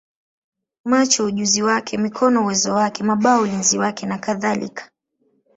macho ujuzi wake, mikono uwezo wake, mabawa ulinzi wake, nakadhalika.